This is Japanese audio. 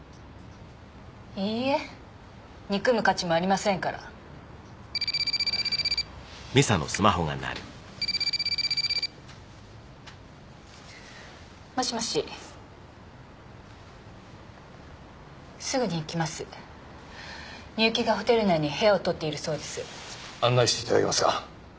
いいえ憎む価値もありませんから・もしもしすぐに行きます美雪がホテル内に部屋を取っているそうです案内して頂けますか